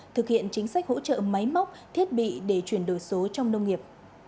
thực hiện chính sách hỗ trợ máy móc thiết bị để chuyển đổi số trong nông nghiệp